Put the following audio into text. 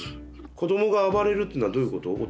子どもが暴れるっていうのはどういうこと？